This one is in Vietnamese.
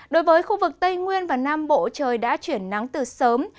đối với khu vực tây nguyên và nam bộ trời đã chuyển nắng từ sớm